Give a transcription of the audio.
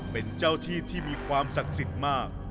เป็นเจ้าที่ที่มีความศักดิ์สิทธิ์มาก